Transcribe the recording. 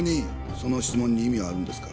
その質問に意味はあるんですか？